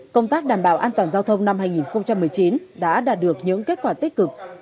công tác đảm bảo an toàn giao thông năm hai nghìn một mươi chín đã đạt được những kết quả tích cực